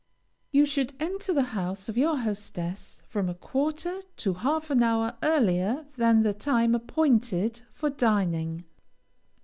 You should enter the house of your hostess from a quarter to half an hour earlier than the time appointed for dining.